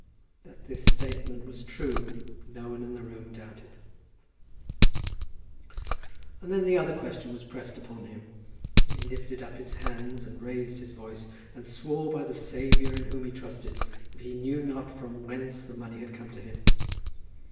That this statement was true, no one in the room doubted. And then the other question was pressed upon him; and he lifted up his hands, and raised his voice, and swore by the Saviour in whom he trusted, that he knew not from whence the money had come to him.